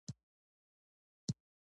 چې نړۍ ته یې ډیر څه ورکړي.